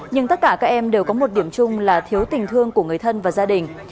nhưng tất cả các em đều có một điểm chung là thiếu tình thương của người thân và gia đình